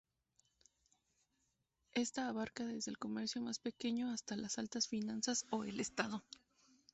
Ésta abarca desde el comercio más pequeño, hasta las altas finanzas o el Estado.